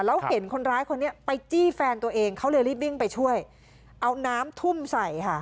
แล้วเห็นคนร้ายคนนี้ไปจี้แฟนตัวเองเขาเลยรีบวิ่งไปช่วยเอาน้ำทุ่มใส่ค่ะ